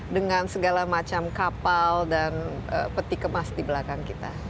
dengan segala macam kapal dan peti kemas di belakang kita